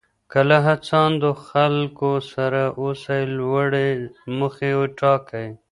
که له هڅاندو خلکو سره اوسئ لوړې موخې ټاکئ.